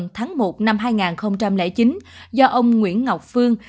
tân việt pháp được thành lập vào trung tuần tháng một năm hai nghìn chín do ông nguyễn ngọc phương